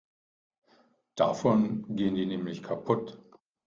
Davon gehen die nämlich kaputt.